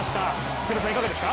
福田さん、いかがですか？